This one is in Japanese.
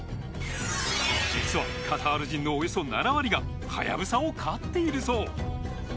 実はカタール人のおよそ７割がハヤブサを飼っているそう。